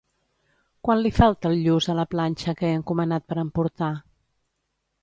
Quant li falta al lluç a la planxa que he encomanat per emportar?